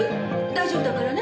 大丈夫だからね。